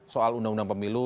soal undang undang pemilu